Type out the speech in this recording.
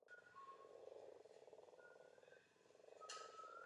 Dvě druhá a tři třetí místa vybojoval na mistrovství Evropy.